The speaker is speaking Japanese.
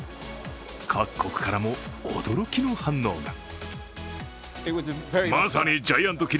各国からも驚きの反応が。